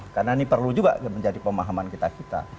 karena ini perlu juga menjadi pemahaman kita kita